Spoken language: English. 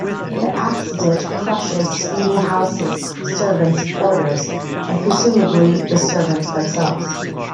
The accident crushes Snooty House's servants' quarters and presumably the servants themselves.